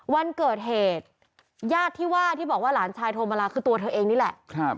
วันเกิดเหตุญาติที่ว่าที่บอกว่าหลานชายโทรมาลาคือตัวเธอเองนี่แหละ